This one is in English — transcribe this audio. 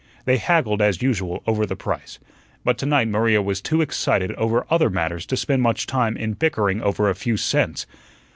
They haggled as usual over the price, but to night Maria was too excited over other matters to spend much time in bickering over a few cents.